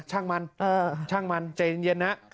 ช่างมันใจเย็นนะ